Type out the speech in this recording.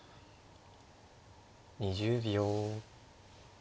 ２０秒。